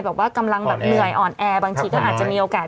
กำลังแบบเหนื่อยอ่อนแอบางทีก็อาจจะมีโอกาส